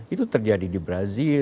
itu terjadi di brazil